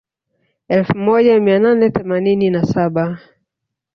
Elfu moja mia nane themanini na saba